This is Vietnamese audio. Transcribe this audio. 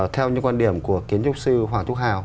theo những quan điểm của kiến trúc sư hoàng trúc hào